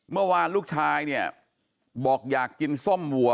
เมื่อวานลูกชายเนี่ยบอกอยากกินส้มวัว